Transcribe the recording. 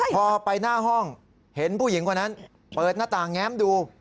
พอไปหน้าห้องเห็นผู้หญิงคนนั้นเปิดหน้าต่างแง้มดู